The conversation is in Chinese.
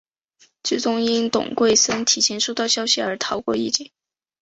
最终因董桂森提前收到消息而逃过一劫。